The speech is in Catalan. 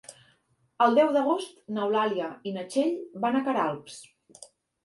El deu d'agost n'Eulàlia i na Txell van a Queralbs.